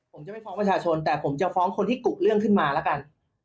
ผมจะไม่ฟ้องประชาชนแต่ผมจะฟ้องคนที่กุเรื่องขึ้นมาแล้วกัน